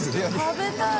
食べたい！